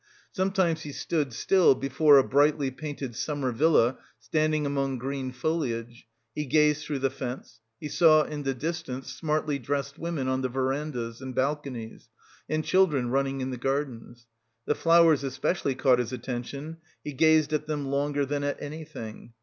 Sometimes he stood still before a brightly painted summer villa standing among green foliage, he gazed through the fence, he saw in the distance smartly dressed women on the verandahs and balconies, and children running in the gardens. The flowers especially caught his attention; he gazed at them longer than at anything.